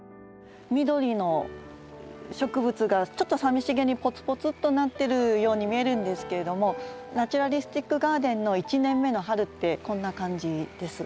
緑の植物がちょっとさみしげにポツポツとなってるように見えるんですけれどもナチュラリスティック・ガーデンの１年目の春ってこんな感じです。